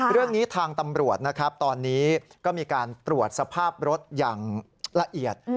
เรื่องนี้ทางตำรวจนะครับตอนนี้ก็มีการตรวจสภาพรถอย่างละเอียด